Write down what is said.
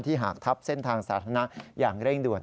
หากทับเส้นทางสาธารณะอย่างเร่งด่วน